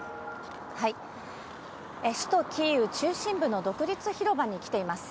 首都キーウ中心部の独立広場に来ています。